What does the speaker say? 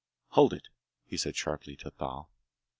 "Hold it!" he said sharply to Thal.